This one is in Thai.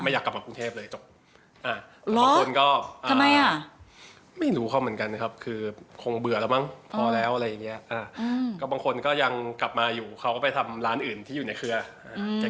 อยากให้เขามองพุ่งในรายการเราจังเลยค่ะ